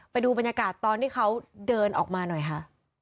ไปดูบรรยากาศตอนที่เขาเดินออกมาหน่อยค่ะ